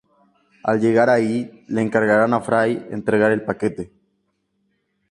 Al llegar allí le encargan a Fry entregar el paquete.